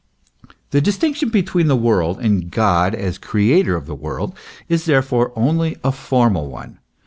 The distinction between the world and God as the creator of the world, is therefore only a formal one.